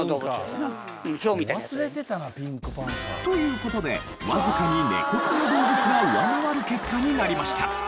という事でわずかにネコ科の動物が上回る結果になりました。